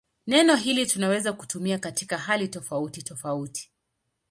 Neno hili tunaweza kutumia katika hali tofautitofauti.